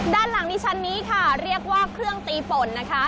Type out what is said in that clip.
ด้านหลังดิฉันนี้ค่ะเรียกว่าเครื่องตีฝนนะคะ